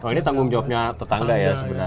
ini tanggung jawabnya tetangga ya